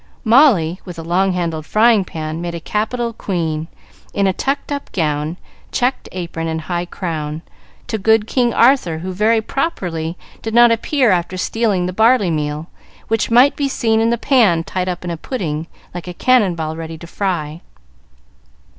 Molly, with a long handled frying pan, made a capital "Queen," in a tucked up gown, checked apron, and high crown, to good "King Arthur," who, very properly, did not appear after stealing the barley meal, which might be seen in the pan tied up in a pudding, like a cannon ball, ready to fry.